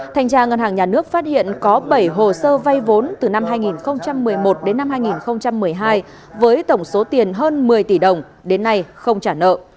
thành tra ngân hàng nhà nước phát hiện có bảy hồ sơ vay vốn từ năm hai nghìn một mươi một đến năm hai nghìn một mươi hai với tổng số tiền hơn một mươi tỷ đồng đến nay không trả nợ